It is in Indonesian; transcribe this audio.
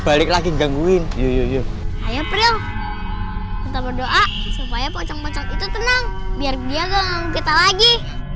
balik lagi gangguin yuk ayo berdoa supaya pocong pocong itu tenang biar dia nggak mau kita lagi